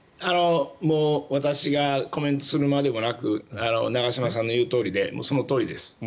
私がコメントするまでもなく長嶋さんの言うとおりでそのとおりです。